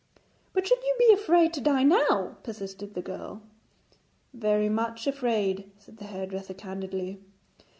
'But should you be afraid to die now?' persisted the girl. 'Very much afraid,' said the hairdresser candidly.